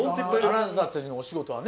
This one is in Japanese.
あなたたちのお仕事はね。